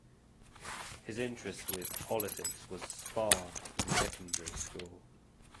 His interest with politics was sparked in secondary school.